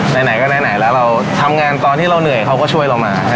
ไหนก็ไหนแล้วเราทำงานตอนที่เราเหนื่อยเขาก็ช่วยเรามา